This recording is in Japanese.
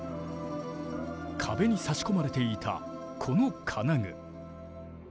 壁に差し込まれていたこの金具。